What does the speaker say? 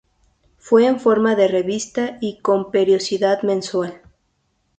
Fue en forma de revista y con periodicidad mensual.